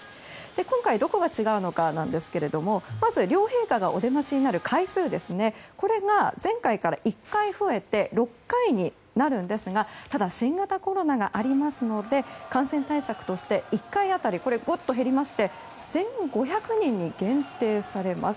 今回、どこが違うのかですがまず両陛下がお出ましになる回数が、前回から１回増えて６回になるんですがただ、新型コロナがありますので感染対策として１回当たりぐっと減りまして１５００人に限定されます。